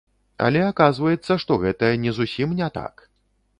Але аказваецца, што гэта не зусім не так!